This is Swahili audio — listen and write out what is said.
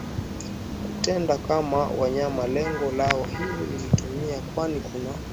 kutenda kama wanyama Lengo lao hili lilitimia kwani kuna